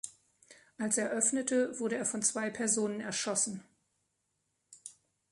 Als er öffnete, wurde er von zwei Personen erschossen.